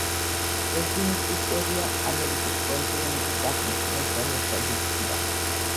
რეზინის ისტორია ამერიკის კონტინენტის აღმოჩენასთან ერთად იწყება.